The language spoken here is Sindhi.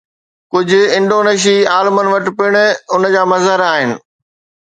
ڪجهه انڊونيشي عالمن وٽ پڻ ان جا مظهر آهن.